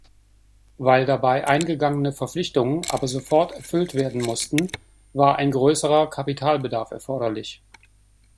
Weil dabei eingegangene Verpflichtungen aber sofort erfüllt werden mussten, war ein größerer Kapitalbedarf erforderlich.